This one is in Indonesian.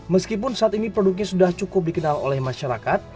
meskipun saat ini produknya sudah cukup dikenal oleh masyarakat